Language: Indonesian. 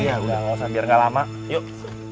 nggak usah biar nggak lama yuk